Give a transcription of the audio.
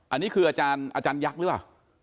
อันนี้คืออาจารย์ยักษ์หรือเปล่า